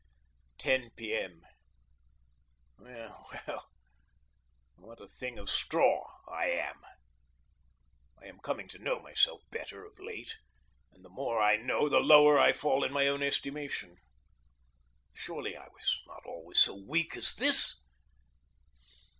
10 P. M. Well, well, what a thing of straw I am! I am coming to know myself better of late, and the more I know the lower I fall in my own estimation. Surely I was not always so weak as this.